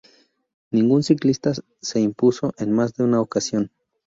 Ningún ciclista se impuso en más de una ocasión.